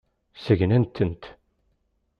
Segnet-tent.